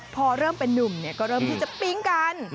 พอเริ่มเป็นนุ่มก็เริ่มที่จะปิ๊งกัน